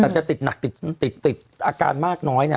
แต่จะติดหนักติดอาการมากน้อยเนี่ย